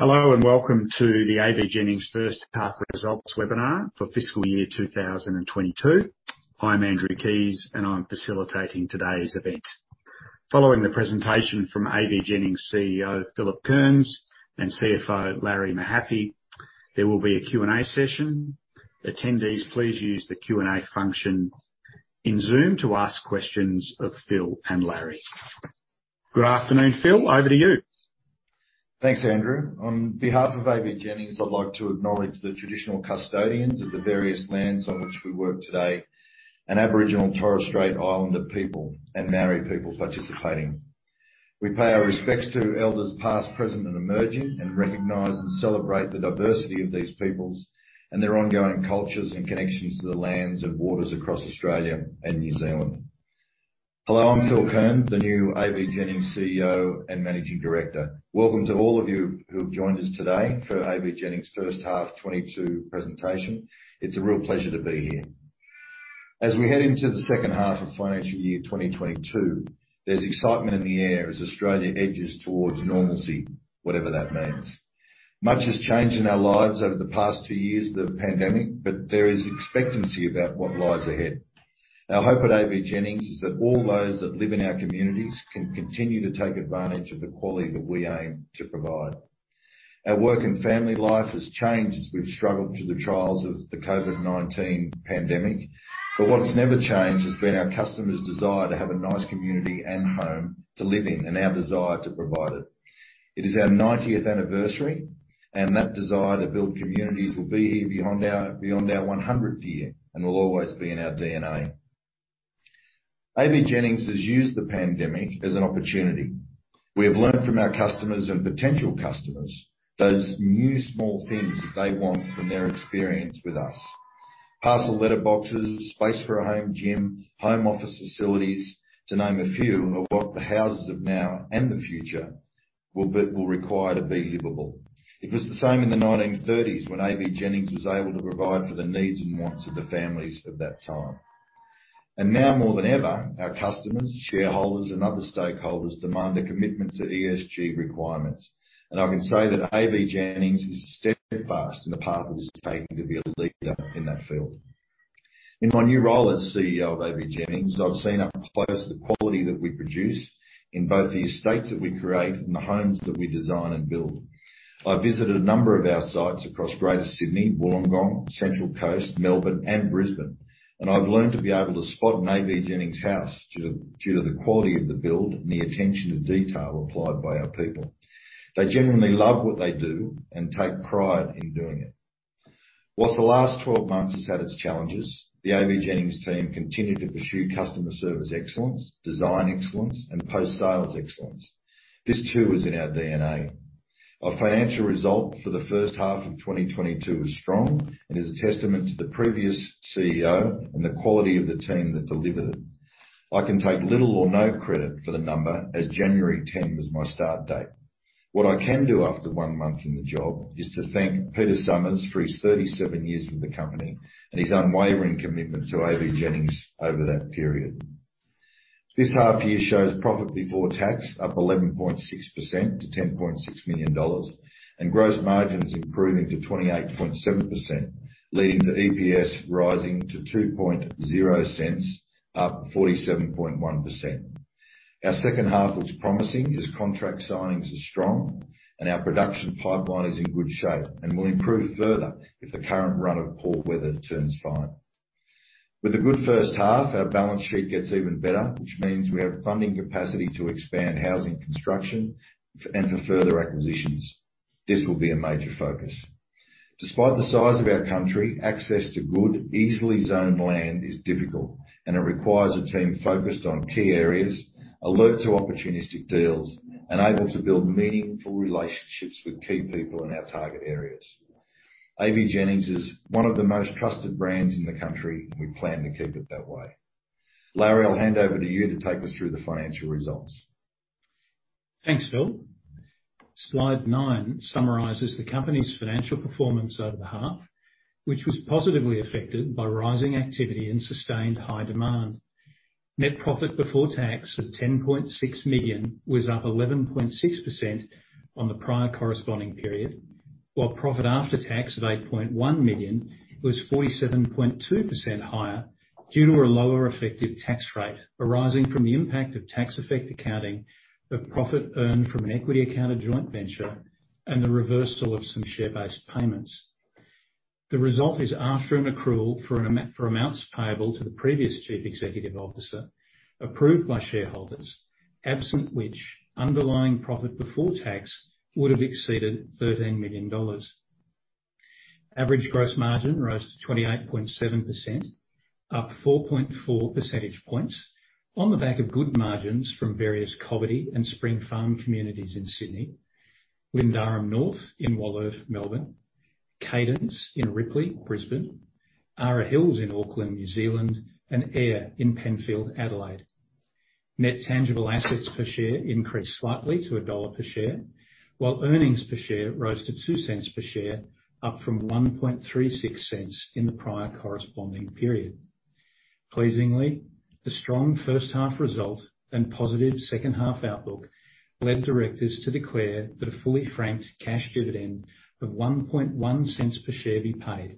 Hello, and welcome to the AVJennings first half results webinar for fiscal year 2022. I'm Andrew Keys, and I'm facilitating today's event. Following the presentation from AVJennings CEO, Philip Kearns, and CFO, Larry Mahaffy, there will be a Q&A session. Attendees, please use the Q&A function in Zoom to ask questions of Phil and Larry. Good afternoon, Phil, over to you. Thanks, Andrew. On behalf of AVJennings, I'd like to acknowledge the traditional custodians of the various lands on which we work today, and Aboriginal Torres Strait Islander people and Māori people participating. We pay our respects to elders past, present, and emerging, and recognize and celebrate the diversity of these peoples and their ongoing cultures and connections to the lands and waters across Australia and New Zealand. Hello, I'm Phil Kearns, the new AVJennings CEO and Managing Director. Welcome to all of you who've joined us today for AVJennings first half 2022 presentation. It's a real pleasure to be here. As we head into the second half of financial year 2022, there's excitement in the air as Australia edges towards normalcy, whatever that means. Much has changed in our lives over the past two years of the pandemic, but there is expectancy about what lies ahead. Our hope at AVJennings is that all those that live in our communities can continue to take advantage of the quality that we aim to provide. Our work and family life has changed as we've struggled through the trials of the COVID-19 pandemic. What has never changed has been our customers' desire to have a nice community and home to live in, and our desire to provide it. It is our 90th anniversary, and that desire to build communities will be here beyond our one hundredth year and will always be in our DNA. AVJennings has used the pandemic as an opportunity. We have learned from our customers and potential customers, those new small things that they want from their experience with us. Parcel letterboxes, space for a home gym, home office facilities, to name a few of what the houses of now and the future will require to be livable. It was the same in the 1930s when AVJennings was able to provide for the needs and wants of the families of that time. Now more than ever, our customers, shareholders, and other stakeholders demand a commitment to ESG requirements. I can say that AVJennings is steadfast in the path that it's taking to be a leader in that field. In my new role as CEO of AVJennings, I've seen up close the quality that we produce in both the estates that we create and the homes that we design and build. I visited a number of our sites across Greater Sydney, Wollongong, Central Coast, Melbourne, and Brisbane, and I've learned to be able to spot an AVJennings house due to the quality of the build and the attention to detail applied by our people. They genuinely love what they do and take pride in doing it. While the last 12 months has had its challenges, the AVJennings team continued to pursue customer service excellence, design excellence, and post-sales excellence. This too is in our DNA. Our financial result for the first half of 2022 was strong and is a testament to the previous CEO and the quality of the team that delivered it. I can take little or no credit for the number as January 10 was my start date. What I can do after one month in the job is to thank Peter Summers for his 37 years with the company and his unwavering commitment to AVJennings over that period. This half year shows profit before tax up 11.6% to 10.6 million dollars, and gross margins improving to 28.7%, leading to EPS rising to 0.02, up 47.1%. Our second half looks promising as contract signings are strong and our production pipeline is in good shape and will improve further if the current run of poor weather turns fine. With a good first half, our balance sheet gets even better, which means we have funding capacity to expand housing construction and for further acquisitions. This will be a major focus. Despite the size of our country, access to good, easily zoned land is difficult, and it requires a team focused on key areas, alert to opportunistic deals, and able to build meaningful relationships with key people in our target areas. AVJennings is one of the most trusted brands in the country, and we plan to keep it that way. Larry, I'll hand over to you to take us through the financial results. Thanks, Phil. Slide 9 summarizes the company's financial performance over the half, which was positively affected by rising activity and sustained high demand. Net profit before tax of 10.6 million was up 11.6% on the prior corresponding period, while profit after tax of 8.1 million was 47.2% higher due to a lower effective tax rate arising from the impact of tax effect accounting, the profit earned from an equity accounted joint venture, and the reversal of some share-based payments. The result is after an accrual for amounts payable to the previous Chief Executive Officer, approved by shareholders, absent which underlying profit before tax would have exceeded 13 million dollars. Average gross margin rose to 28.7%, up 4.4 percentage points on the back of good margins from various Cobbitty and Spring Farm communities in Sydney, Lyndarum North in Wollert, Melbourne, Cadence in Ripley, Brisbane, Ara Hills in Auckland, New Zealand, and Eyre in Penfield, Adelaide. Net tangible assets per share increased slightly to AUD 1 per share, while earnings per share rose to 0.02 per share, up from 0.0136 in the prior corresponding period. Pleasingly, the strong first half result and positive second half outlook led directors to declare that a fully franked cash dividend of 0.011 per share be paid,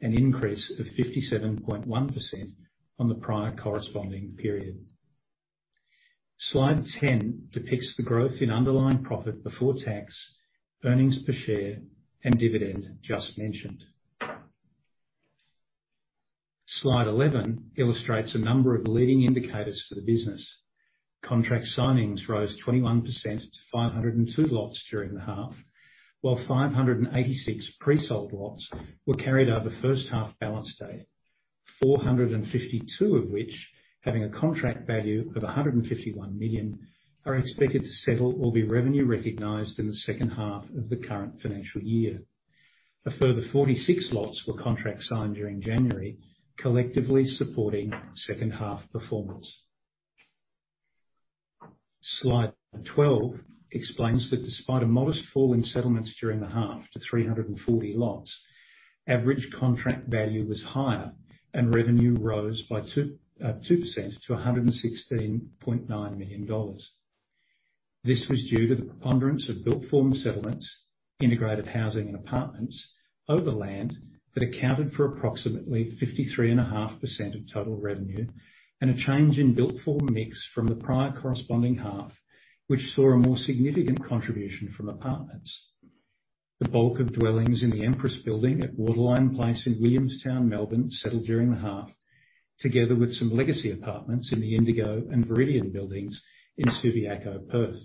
an increase of 57.1% on the prior corresponding period. Slide 10 depicts the growth in underlying profit before tax, earnings per share, and dividend just mentioned. Slide 11 illustrates a number of leading indicators for the business. Contract signings rose 21% to 502 lots during the half, while 586 pre-sold lots were carried out at the first half balance date, 452 of which, having a contract value of 151 million, are expected to settle or be revenue recognized in the second half of the current financial year. A further 46 lots were contract signed during January, collectively supporting second half performance. Slide 12 explains that despite a modest fall in settlements during the half to 340 lots, average contract value was higher and revenue rose by 2% to 116.9 million dollars. This was due to the preponderance of built form settlements, integrated housing and apartments over land that accounted for approximately 53.5% of total revenue, and a change in built form mix from the prior corresponding half, which saw a more significant contribution from apartments. The bulk of dwellings in the Empress building at Waterline Place in Williamstown, Melbourne, settled during the half, together with some legacy apartments in the Indigo and Viridian buildings in Subiaco, Perth.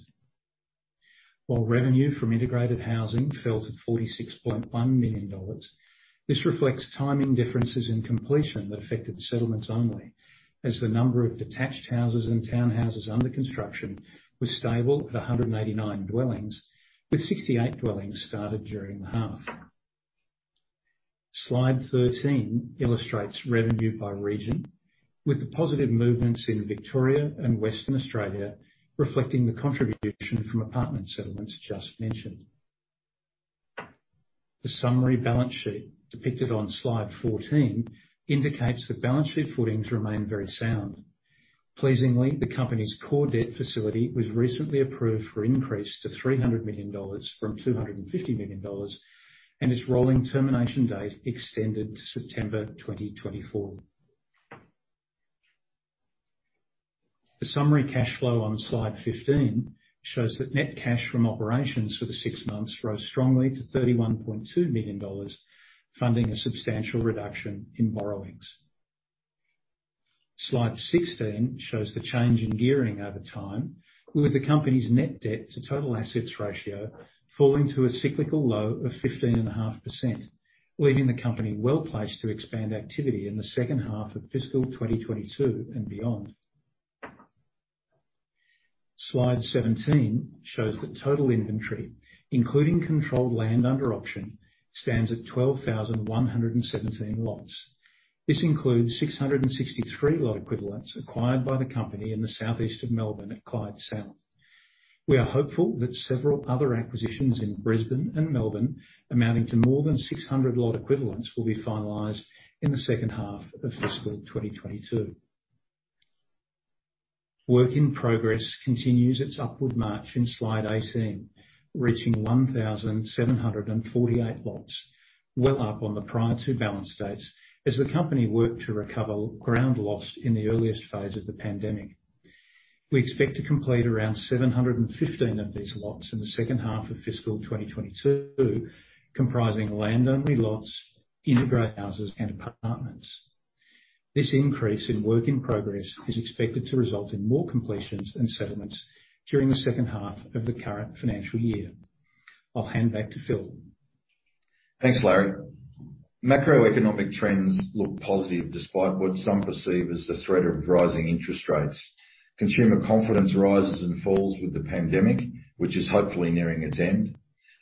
While revenue from integrated housing fell to 46.1 million dollars, this reflects timing differences in completion that affected settlements only, as the number of detached houses and townhouses under construction was stable at 189 dwellings, with 68 dwellings started during the half. Slide 13 illustrates revenue by region, with the positive movements in Victoria and Western Australia reflecting the contribution from apartment settlements just mentioned. The summary balance sheet depicted on slide 14 indicates that balance sheet footings remain very sound. Pleasingly, the company's core debt facility was recently approved for increase to 300 million dollars from 250 million dollars, and its rolling termination date extended to September 2024. The summary cash flow on slide 15 shows that net cash from operations for the six months rose strongly to AUD 31.2 million, funding a substantial reduction in borrowings. Slide 16 shows the change in gearing over time, with the company's net debt to total assets ratio falling to a cyclical low of 15.5%, leaving the company well-placed to expand activity in the second half of fiscal 2022 and beyond. Slide 17 shows that total inventory, including controlled land under option, stands at 12,117 lots. This includes 663 lot equivalents acquired by the company in the southeast of Melbourne at Clyde South. We are hopeful that several other acquisitions in Brisbane and Melbourne, amounting to more than 600 lot equivalents, will be finalized in the second half of fiscal 2022. Work in progress continues its upward march in slide 18, reaching 1,748 lots, well up on the prior two balance dates as the company worked to recover ground lost in the earliest phase of the pandemic. We expect to complete around 715 of these lots in the second half of fiscal 2022, comprising land-only lots, integrated houses and apartments. This increase in work in progress is expected to result in more completions and settlements during the second half of the current financial year. I'll hand back to Phil Kearns. Thanks, Larry. Macroeconomic trends look positive despite what some perceive as the threat of rising interest rates. Consumer confidence rises and falls with the pandemic, which is hopefully nearing its end.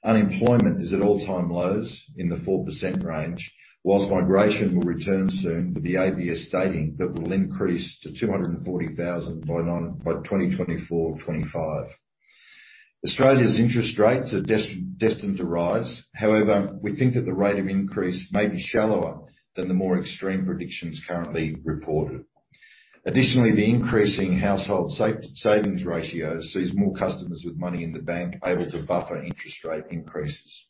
Unemployment is at all-time lows in the 4% range, while migration will return soon, with the ABS stating that will increase to 240,000 by 2024/2025. Australia's interest rates are destined to rise. However, we think that the rate of increase may be shallower than the more extreme predictions currently reported. Additionally, the increasing household savings ratio sees more customers with money in the bank able to buffer interest rate increases.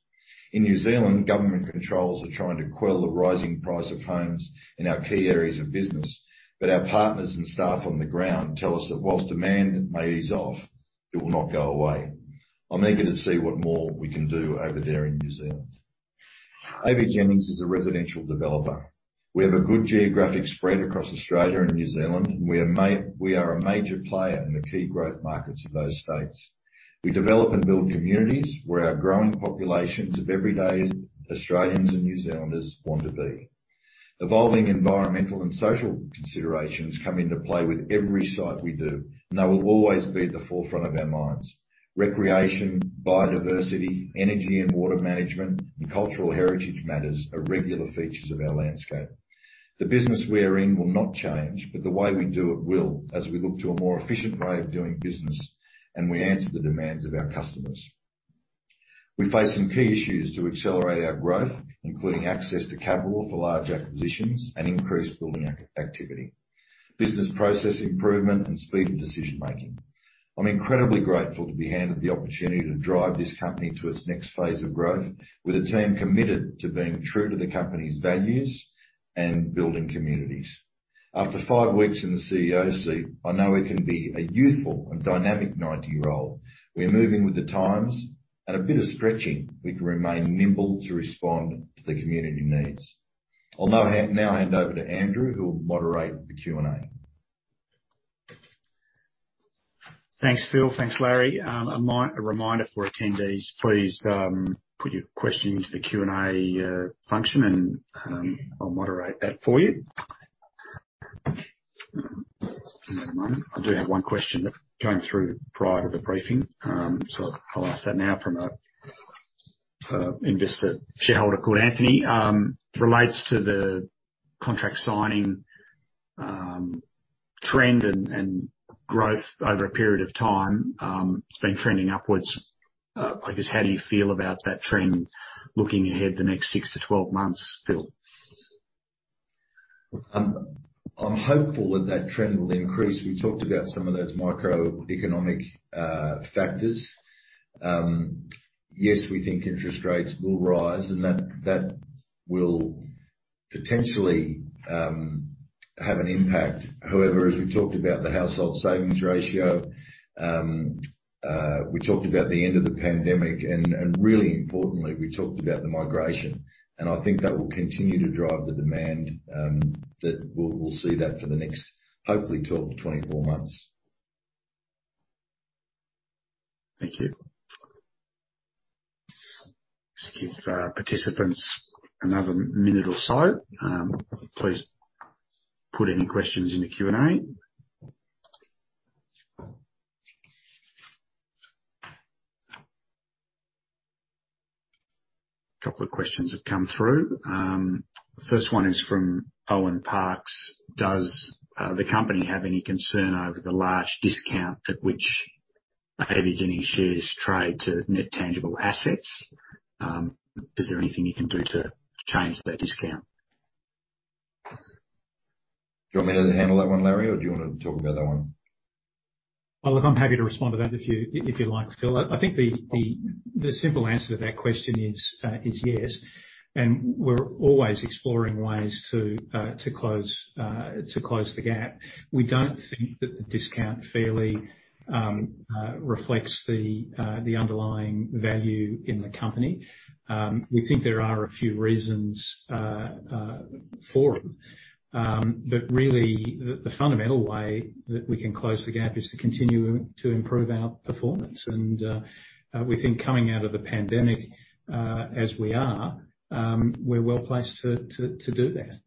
In New Zealand, government controls are trying to quell the rising price of homes in our key areas of business. Our partners and staff on the ground tell us that while demand may ease off, it will not go away. I'm eager to see what more we can do over there in New Zealand. AVJennings is a residential developer. We have a good geographic spread across Australia and New Zealand. We are a major player in the key growth markets of those states. We develop and build communities where our growing populations of everyday Australians and New Zealanders want to be. Evolving environmental and social considerations come into play with every site we do, and they will always be at the forefront of our minds. Recreation, biodiversity, energy and water management, and cultural heritage matters are regular features of our landscape. The business we are in will not change, but the way we do it will as we look to a more efficient way of doing business and we answer the demands of our customers. We face some key issues to accelerate our growth, including access to capital for large acquisitions and increased building activity, business process improvement, and speed of decision-making. I'm incredibly grateful to be handed the opportunity to drive this company to its next phase of growth, with a team committed to being true to the company's values and building communities. After five weeks in the CEO seat, I know it can be a youthful and dynamic 90 year old. We're moving with the times and a bit of stretching, we can remain nimble to respond to the community needs. I'll now hand over to Andrew, who will moderate the Q&A. Thanks, Phil. Thanks, Larry. A reminder for attendees, please put your question into the Q&A function, and I'll moderate that for you. One moment. I do have one question that came through prior to the briefing. So I'll ask that now from an investor shareholder called Anthony. It relates to the contract signing trend and growth over a period of time. It's been trending upwards. I guess, how do you feel about that trend looking ahead the next six months to 12 months, Phil? I'm hopeful that that trend will increase. We talked about some of those macroeconomic factors. Yes, we think interest rates will rise, and that will potentially have an impact. However, as we talked about the household savings ratio, we talked about the end of the pandemic, and really importantly, we talked about the migration. I think that will continue to drive the demand that we'll see that for the next, hopefully 12 months to 24 months. Thank you. Just give participants another minute or so. Please put any questions in the Q&A. A couple of questions have come through. The first one is from Owen Parks. Does the company have any concern over the large discount at which AVJennings shares trade to net tangible assets? Is there anything you can do to change that discount? Do you want me to handle that one, Larry, or do you wanna talk about that one? Well, look, I'm happy to respond to that if you like, Phil. I think the simple answer to that question is yes, and we're always exploring ways to close the gap. We don't think that the discount fairly reflects the underlying value in the company. We think there are a few reasons for them. But really, the fundamental way that we can close the gap is to continue to improve our performance. We think coming out of the pandemic, as we are, we're well-placed to do that.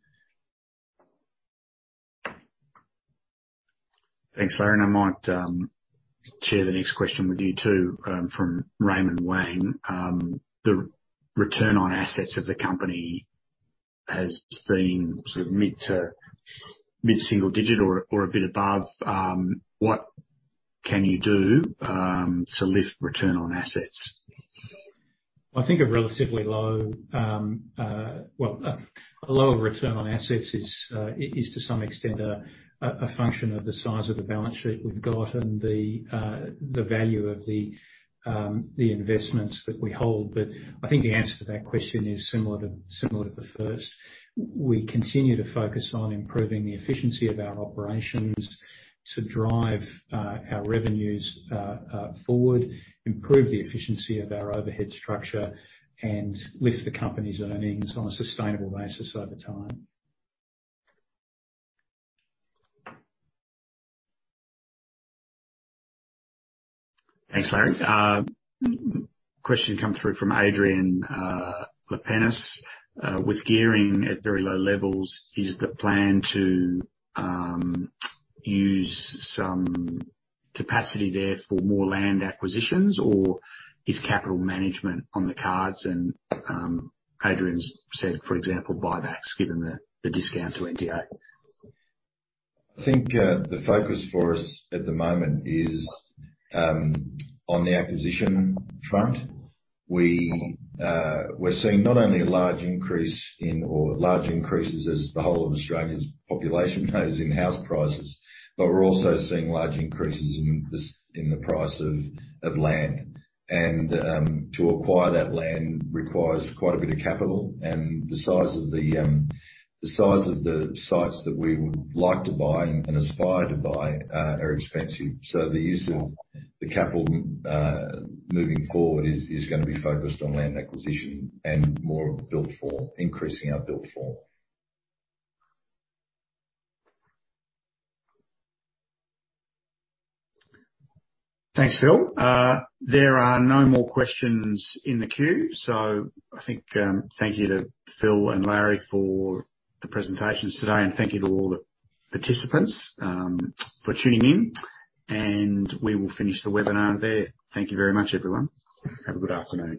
Thanks, Larry. I might share the next question with you, too, from Raymond Wayne. The return on assets of the company has been sort of mid to mid single-digit or a bit above. What can you do to lift return on assets? I think a relatively low, well, a lower return on assets is to some extent a function of the size of the balance sheet we've got and the value of the investments that we hold. I think the answer to that question is similar to the first. We continue to focus on improving the efficiency of our operations to drive our revenues forward, improve the efficiency of our overhead structure, and lift the company's earnings on a sustainable basis over time. Thanks, Larry. A question comes through from Adrian Lapenis. With gearing at very low levels, is the plan to use some capacity there for more land acquisitions, or is capital management on the cards and Adrian's said, for example, buybacks, given the discount to NTA? I think the focus for us at the moment is on the acquisition front. We're seeing not only large increases as the whole of Australia's population grows in house prices, but we're also seeing large increases in the price of land. To acquire that land requires quite a bit of capital, and the size of the sites that we would like to buy and aspire to buy are expensive. The use of the capital moving forward is gonna be focused on land acquisition and more of build form, increasing our build form. Thanks, Phil. There are no more questions in the queue. I think, thank you to Phil and Larry for the presentations today, and thank you to all the participants, for tuning in. We will finish the webinar there. Thank you very much, everyone. Have a good afternoon.